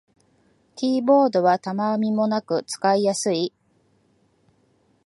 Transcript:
キーボードはたわみもなく使いやすい